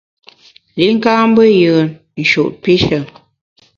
Li ka mbe yùen, nshut pishe.